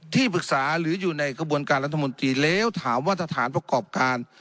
ที่ปรึกษาหรืออยู่ในกระบวนการรัฐมนตรีแล้วถามว่าสถานประกอบการ